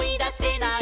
ない！